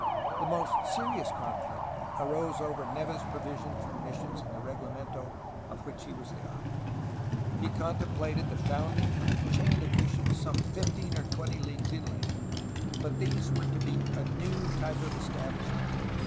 The most serious conflict arose over Neve's provision for the missions in the reglamento of which he was the author. He contemplated the founding of a chain of missions some fifteen or twenty leagues inland, but these were to be a new type of estabhshment.